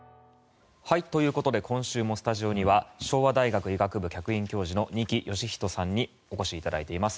今週もスタジオには昭和大学医学部客員教授の二木芳人さんにお越しいただいています。